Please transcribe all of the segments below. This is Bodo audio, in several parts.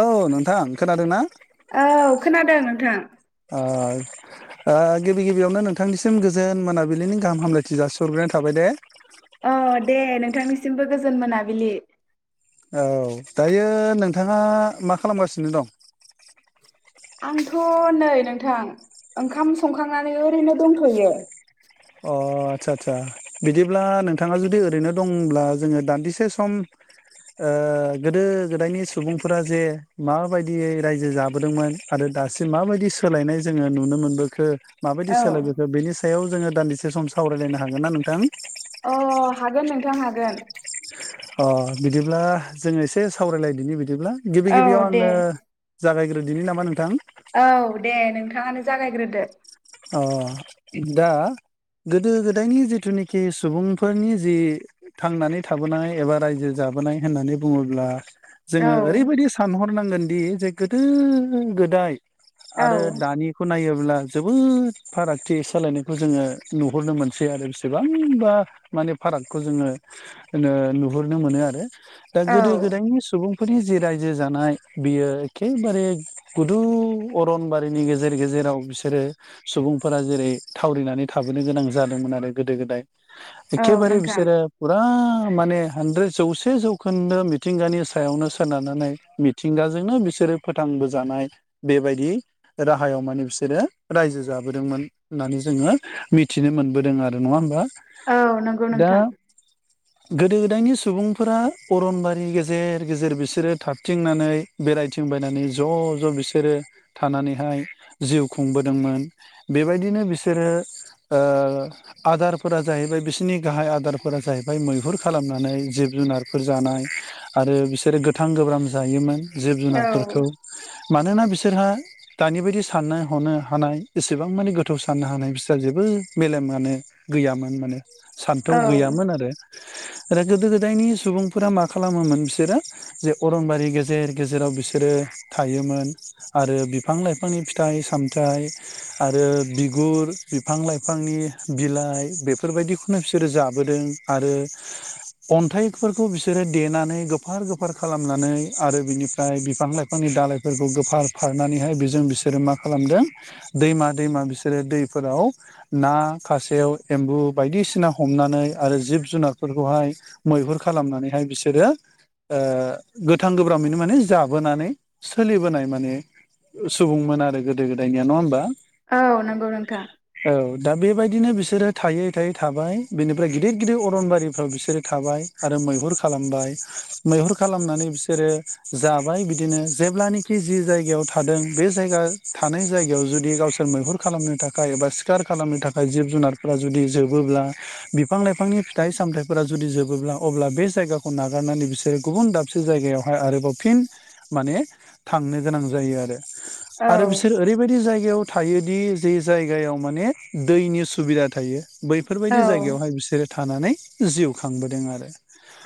औ नोंथां खोनादोंनाा? औ खोनादों नोंथां गिबि गिबियावनो नोंथांनिसिम गोजोन मोनाबिलिनि गाहाम हामलायथि जासिरग्रोनाय थाबाय द बे औ दे नोंथांनिसिमबो गोजोन मोनाबिलि औ दायो नोंथाङा मा खालामगासिनो दं? आंथ नै नोंथां ओंखाम संखांनानै ओरैनो दंथयो। अ आदसा आदा बिदिब्ला नोंथाङा जुदि ओरैनो दंब्ला जोङो दान्दिसे सम गोदो गोदायनि सुबुंफोरा जे माबायदियै रायजो जाबोदोंमोन आरो। दासिम माबायदि सोलायनाय जोङो नुनो मोनबोखो? माबायदि औ सोलाय बेखो बेनि सायाव जोङो दान्दिसे सम सावरायलायनो हागोन ना नोंथां? अ हागोन नोंथां हागोन। अ बिदिब्ला जोङ एसे सावरायलायनायनि बिदि बिदिब्ला गिबि औ गिबियाव दे आंनो जागायग्रोदिनि नामा नोंथां? औ दे नोंथाङानो जागायग्रोदो। अ दा गोदो गोदायनि जिथुनाखि सुबुंफोरनि जि थांनानै थाबोनाय एबा रायजो जानाय। माबोनाय होननानै बुङोब्ला। औ जोङो ओरैबायदि सानहरनांगोनदि जे गोदो गोदाय औ आरो दानिखौ नायोब्ला जोबोद फारागथि सालायनायखौ जोङो नुहरनो मोनसै आरो बेसेबांबा माने फारागथि खौ जोङो नुहुरनो मोनो आरो दा औ गोदो गोदायनि सुबुं बे फोरनि जि रायजो जानाय बियो एखेबारे गुदु अरनबारिनि गेजेर गेजेर जेराव बिसोरो सुबुंफोरा जेरै थावरिनानै थाबोनो गोनां जादोंमोन आरो गोदो गोदाय औ एखेबारे नोंथां बिसोरो फुरा माने हानद्रेद जौसे जौखोन्दो मिथिंगानि सायावनो सोनारनानै मिथिंगाजोंनो बिसोर बिसोरो फोथांबोजानाय बेबायदि राहायाव माने बिसोरो रायजो जाबोदोंमोन होननानै जोङो मिथिनो मोनबोदों आरो नङा होमबा? औ नंगौ दा नोंथां। गोदो गोदायनि सुबुंफोरा अरनबारि गेजेर गेजेर बिसोरो थारथिंनानै बेराय [unintelligible] मोन बेबायदिनो बिसोरो आदारफोरा जाहैबाय बिसोरनि गाहाय आदारफोरा जाहैबाय मैहुर खालामनानै जिब जुनारफोर जानाय आरो बिसोरो गोथां गोब्राम जायोमोन। जिब औ जुनारफोरखौ मानोना बिसोरहा दानि बायदि साननो हनो हानाय एसेबां माने गोथौ साननो हानाय बिस्रा जेबो मेलेमानो गैयामोन माने सान्थौ औ गैयामोन आरो। आरो गोदो गोदायनि सुबुंफोरा मा खालामोमोन बिसोरो जे अरनबारि गेजेर गेजेराव बिसोरो थायोमोन आरो बिफां लाइफांनि फिथाइ सामथ फिथाइ आरो बिगुर बिफां लाइफांनि बिलाइ बेफोरबायदिखौना फि - बिसोरो जाबोदों, आरो अन्थाइफोरखौ बिसोरो देनानै गोफार गोफार खालामनानै आरो बिनिफ्राय बिफां लाइफांनि दालायफोरखौ गोफार फारनानैहाय बेजों बिसोरो मा खालामदों? दैमा दैमा बिसोरो दैफोराव ना खासेयाव एम्बु बायदिसिना हम नानै आरो जिब जुनारफोरखौहाय मैहुर खालामनानैहाय बिसोरो गोथां गोब्राबैनो माने जाबोनानै सोलिबोनाय माने। सुबुंमोन आरो गोदो गोदायनिया न औ नंगौ नोंथाङ। दा बेबायदिनो बिसोरो थायै थायै थाबाय बेनिफ्राय गिदिर गिदिर अरनबारिफ्राव बिसोरो थाबाय आरो। मैहुर खालामबाय मैहुर खालामनानै बिसोरो जाबाय बिदिनो जेब्लनेखि जि जायगायाव थादों बे जायगा थानाय जायगायाव जुदि गावसोर मैहुर खालामनो थाखाय एबा सिखार खालामनो थाखाय जिब जुनारफोरा जुदि जोबो ब्ला बिफां लाइफांनि फिथाइ सामथायफोरा जुदि जोबोब्ला अब्ला बे जायगाखौ नागारनानै बिसोरो गुबुन दाबसे जायगायावहाय आरोबाव फिन माने थांनो गोनां जायो औ आरो बिस ओरै बायदि जायगायाव थायोदि जे जायगायाव माने दैनि सुबिदा थायो। औ बैफोरबायदि जायगायावहाय बिसोरो थानानै जिउ खांबोदों आरो।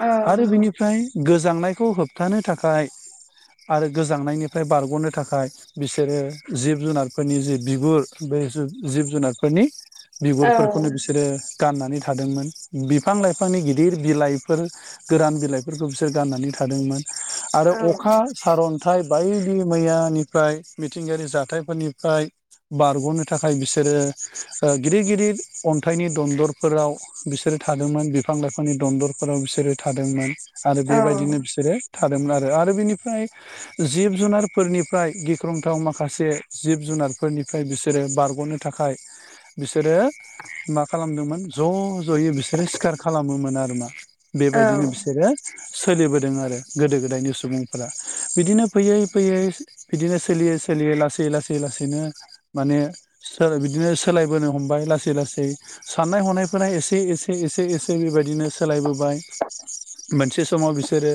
औ आरो नंगौ बिनिफ्राय गोज। गोजांनायखौ होबथानो थाखाय आरो गोजांनायनिफ्राय बारगनो थाखाय बिसोरो जिब जुनारफोरनि जि बिगुर बे जिब जुनारफोरनि औ बिगुरफोरखौनो बिसोरो। गाननानै थादोंमोन बिफां लाइफांनि गिदिर बिलाइफोर गोरान बिलाइफोरखौ बिसोर गाननानै थादोंमोन। आरो अखा सारन्थाइ बायदि मैयानिफ्राय मिथिंगायारि जाथायफोरनिफ्राय बारगनो थाखाय बिसोरो गिदिर गिदिर अन्थाइनि दन्दरफोराव बिसोरो थादोंमोन बिफां लाइफांनि दन्दरफोराव बिसोरो थादोंमोन आरो औ बेबायदिनो बिसोरो थादोंमोन आरो। आरो बिनिफ्राय जिब जुनारफोरनिफ्राय गिख्रंथाव माखा खासे जिब जुनारफोरनिफ्राय बिसोरो बारगनो थाखाय बिसोरो मा खालामदोंमोन ज जयै बिसोरो सिखार खालामोमोन आरो ना बेबायदिनो बिसोरो सोलिबोदों आरो गोदो गोदायनि सुबुंफोरा बिदिनो फैयै फैयै बिदिनो सोलियै सोलियै लासै लासै लासैनो माने बिदिनो सोलायबोनो हमबाय लासै लासै। साननाय हनायफोरा एसे एसे एसे एसे बेबायदिनो सोलाय बोबाय। मोनसे समाव बिसोरो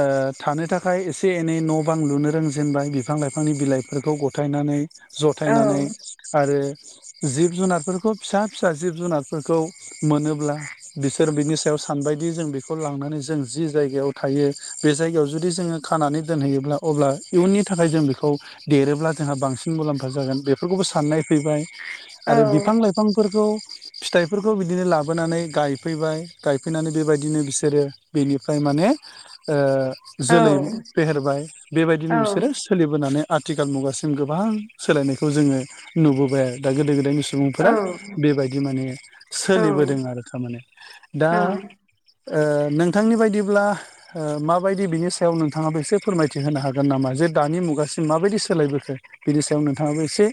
ओ थानो थाखाय एसे एनै न बां लुनो रोंजेनबाय बिफां लाइफां बिफांनि बिलाइफोरखौ गथायनानै औ जथायनानै आरो जिब जुनारफोरखौ फिसा फिसा जिब जुनारफोरखौ मोनोब्ला बिसोर बिनि सायाव सानबायदि जों बेखौ लांनानै जों जि जायगायाव थायो। बे जायगायाव जुदि जोंङो खानानै दोनहैयोब्ला अब्ला इयुननि थाखाय जों बेखौ देरोब्ला जोंहा बांसिन मुलाम्फा जागोन बेफोरखौबो साननाय फैबाय। औ आरो बिफां औ लाइफांफोरखौ फिथाइफोरखौ बिदिनो लाबोनानै गायफैबाय गायफैनानै बेबायदिनो बिसोरो बेनिफ्राय माने ओ औ जोलै फेहेरबाय औ बेबायदिनो बिसोरो सोलि माने आथिखाल मुगासिम गोबां सोलायनायखौ जोङो नुबोबाय आरो दा गोदो गोदायनि स औ सुबुंफोरा बेबायदि माने औ सोलिबोदों आरो। थारमाने दा औ ओ नोंथांनि बायदिब्ला ओ माबायदि बिनि सायाव नोंथाङाबो एसे फोरमायथि होनो हागोन नामा? जे दानि मुगासिम माबायदि सोलायबोखो बिनि सायाव नोंथांङाबो एसे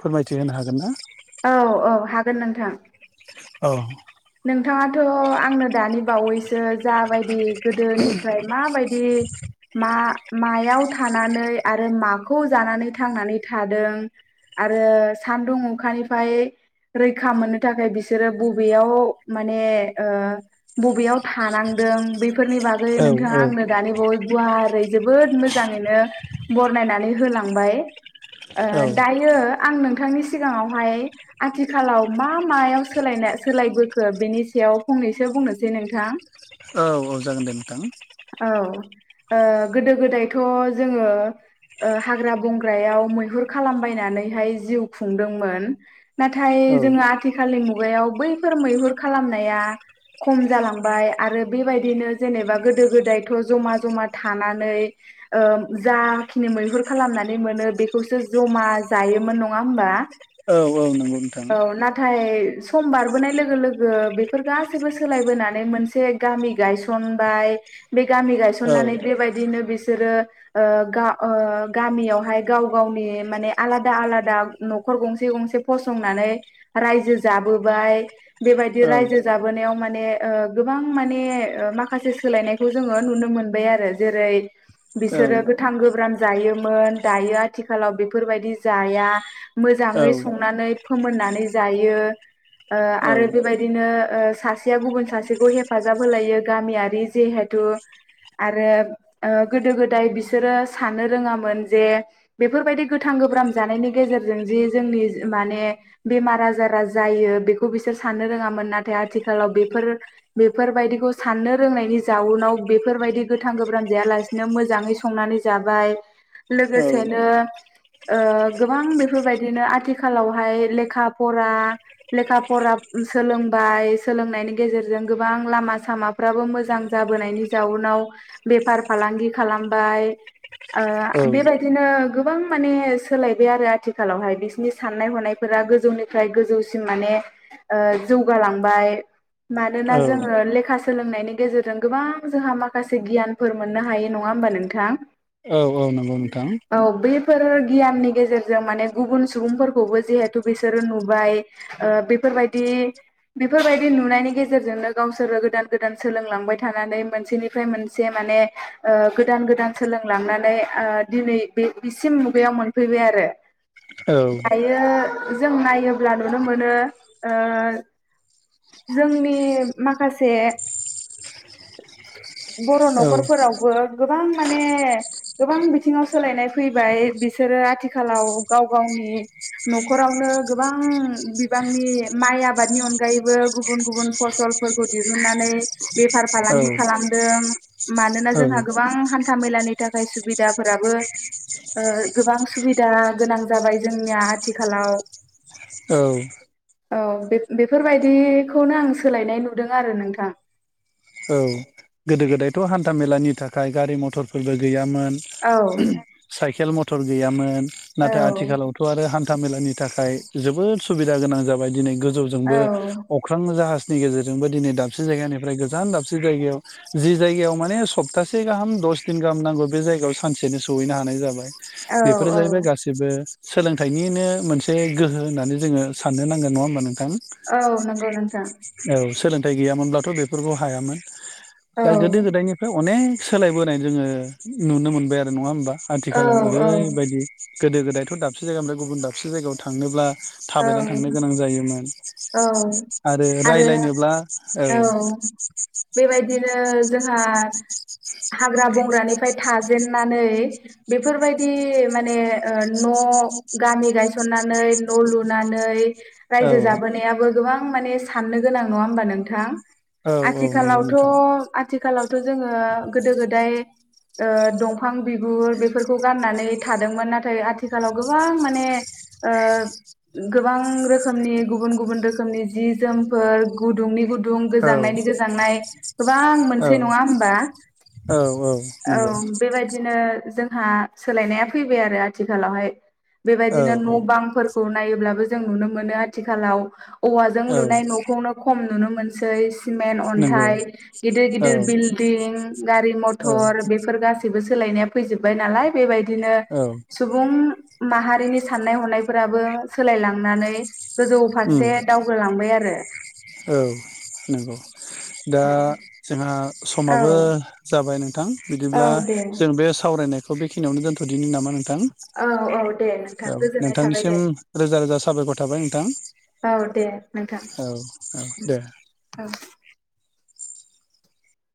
फोरमायथि होनो हागोन ना? औ हागोन नोंथां [inaudible] नोंथाङाथ आंनो दानि बावैसो जाबायदि गोदोनिफ्राय माबायदि मा मायाव थानानै आरो माखौ जानानै थांनानै थादों। आरो सान्दुं अखानिफ्राय रैखा मोननो थाखाय बिसोरो बबेयाव माने ओ बबेयाव थानांदों बे फोरनि बागै औ नोंथाङा औ आंनो दानि बावै गुवारै जोबोद मोजांङैनो बरनायनानै हो लांबाय ओ औ दायो आं नोंथांनिसि सिगांङावहाय आथिखालाव मा मायाव सोलायने सोलायबो खो बिनि सायाव फंनैसो बुंनोसै नोंथां। औ औ जागोन दे नोंथां। औ ओ गोदो गोदायथ जोंङो। ओ हाग्रा बंग्रायाव मैहुर खालामबायनानै हाय जिउ खुंदोंमोन नाथाय औ जोंङो आथिखालनि मुगायाव बैफोर मैहुर खालामनाया खम जालांबाय आरो बेबायदिनो जेनेबा गोदो गोदायथ' जमा जमा थानानै। ओ जाखिनि मैहुर खालामनानै मोनो बेखौसो जमा जायोमोन नंङा होमबा औ औ नंगौ नोंथां [inaudible] औ नाथाय सम बारबोनाय लोगो लोगो बेफोर गासैबो सोलायबोनानै मोनसे गामि गायसनबाय। बे गामि गायसननानै बेबायदिनो बिस बिसोरो ओ गा-गामियावहाय गाव गावनि माने आलादा आलादा न'खर गंसे गंसे फसंनानै रायजो जाबोबाय बेबायदि औ रायजो जाबोनायाव माने माने ओ गोबां माने ओ माखासे सोलायनायखौ जोङो नुनो मोनबाय आरो जेरै बिसोरो गोथां गोब्राम जायोमोन दायो आथिखालाव बेफोरबायदि जाया औ मोजाङै संनानै फोमोननानै जायो। औ। बिदिनो सासेया गुबुन सासेखौ हेफाजाब होलायो गामियारि जिहेथु आरो ओ गोदो गोदाय बिसोरो साननो रोङामोन जे बेफोरबायदि गोथां गोब्राम जानायनि गेजेरजों जि जोंनि माने बेमार आजारा जायो बेखौ बिसोर साननो रोङामोन नाथाय आथिखालाव बेफोर बेफोरबायदिखौ साननो रोंनायनि जाउनाव बेफोर बेबायदि गोथां गोब्राम जाया लासिनो मोजां संनानै जाबाय लोगोसेनो औ ओ गोबां बेफोरबायदिनो आथिखालावहाय लेखा फरा लेखा फरा सोलोंबाय सोलोंनायनि गेजेरजों गोबां लामा सामाफ्राबो मोजां जाबोनायनि जाउनाव बेफार फालांगि खालामबाय ओ बेबायदिनो गोबां माने सोलायबाय आरो आथिखालावहाय बिसनि साननाय हनायफोरा। गोजौनिफ्राय गोजौसिम माने जौगालांबाय। मानोना औ जोङो लेखा सोलोंनायनि गेजेरजों गोबां जोंहा माखासे गियानफोर मोननो हायो नङा होमबा नोंथां? औ औ नंगौ नोंथां। बेफोर गियाननि गेजेरजों माने गुबुन सुबुंफोरखौबो जिहेथु बिसोरो नुबाय ओ बेफोरबाय दि बेफोरबायदि नुनायनि गेजेरजोंनो गावसोरो गोदान गोदान सोलोंलांबाय थानानै मोनसेनिफ्राय मोनसे माने माने ओ गोदान गोदान सोलोंलांनानै ओ दिनै बे बिसिम मुगायाव मोनफैबाय आरो। औ दायो जों नायोब्ला नुनो मोनो ओ जोंनि माखासे बर' औ न'खरफोरावबो गोबां माने गोबां बिथिङाव सोलायनाय फैबाय बिसोरो आथिखालाव गाव गावनि नि न'खरावनो गोबां बिबांनि माइ आबादनि अनगायैबो गुबुन गुबुन फसलफोरखौ दिहुननानै बेफार औ फालांगि खालामदों मानोना जोंहा गोबां हान्था मेलानि थाखाय सुबिदा दाफोराबो गोबां सुबिदा गोनां जाबाय जोंनिया आथिखालाव औ। औ बे बेफोरबायदिखौनो आं सोलायनाय नुदों आरो नोंथां। औ गोदो गोदायथ' हान्था मेलानि थाखाय गारि मथरफोरबो गैयामोन। औ साइकेल मथर गैयामोन औ नाथाय आथिखालावथ' आरो हा हान्था मेलानि थाखाय जोबोद सुबिदा गोनां जाबाय दिनै गोजौजोंबो औ अख्रां जाहाज नि गेजेरजोंबो दिनै दाबसे जायगानिफ्राय गोजान दाबसे जायगायाव जि जायगायाव माने सप्तासे गाहाम दस दिन गाहाम नांगौ बे जायगायाव सानसेनि सम सहैनो हानाय जाबाय औ बेफोर औ जाहैबाय गासिबो सोलोंथाइनिनो मोनसे गोहो होननानै जोङो साननो नांगोन नङा होमबा नों थां औ नंगौ नोंथां औ सोलोंथाइ गैयामोनब्लाथ' बेफोरखौ हायामोन। औ दा गोदो गोदायनिफ्राय अनेक सोलायबोनाय जोङो नुनो मोनबाय आरो नङा होमबा? औ आथिखालाव औ ओरैबायदि गोदो गोदायथ' दाबसे जायगानि गुबुन दाबसे जायगायाव थांनोब्ला औ थाबायनानै थांनो गोनां जायोमोन औ आरो रायलायनोब्ला औ। बेबायदिनो जोंहा हाग्रा बंग्रानिफ्राय थाजेननानै बेफोरबायदि माने ओ न' अ गामि गायसननानै न' लुनानै औ रायजो जाबोनायाबो गोबां माने साननो गोनां नङा होमबा नोंथां? औ औ नंगौ आथिखालावथ' नोंथां आथिखालावथ' जोङो गोदो गोदाय ओ दंफां बिगुर बेफोरखौ गाननानै थादोंमोन नाथाय आथिखालाव गोबां माने ओ गोबां रोखोमनि गुबुन गुबुन रोखोमनि जि जोमफोर गुदुंनि गुद दुं औ गोजांनायनि गोजांनाय गोबां औ मोनसे नङा होमबा औ औ नंगौ बेबायदिनो जों हा सोलायनाया फैबाय आरो आथिखालावहाय औ बेबायदिनो न' औ बांफोर खौ नायोब्लाबो जों नुनो मोनो आथिखालाव औवाजों औ लुनाय न'खौनो खम नुनो मोनसै स सिमेन, नंगौ अन्थाइ गिदिर औ गिदिर बिल्डं गारि औ मथर बेफोर गासिबोस सोलायनाया फैजोबबाय नालाय बेबायदिनो औ सुबुं माहारिनि साननाय हनायफोराबो सोलायलांनानै गोजौ उम फारसे दावगोलांबाय आरो औ नंगौ। दा जोंहा औ समाबो जाबाय नोंथां औ बिदिब्ला दे जों बेस सावरायनायखौ बेखिनियावनो दोनथ'दिनि नामा नों थां औ औ दे नोंथां औ गोजोननाय थाबाय दे नोंथांनिसिम रोजा रोजा साबायखर थाबाय नोंथां। औ दे नोंथां औ उम दे औ